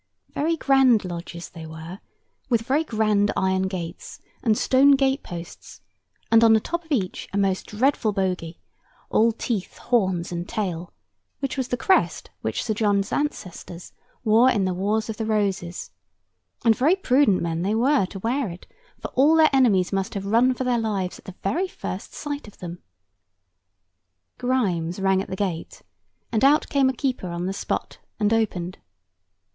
Very grand lodges they were, with very grand iron gates and stone gate posts, and on the top of each a most dreadful bogy, all teeth, horns, and tail, which was the crest which Sir John's ancestors wore in the Wars of the Roses; and very prudent men they were to wear it, for all their enemies must have run for their lives at the very first sight of them. Grimes rang at the gate, and out came a keeper on the spot, and opened.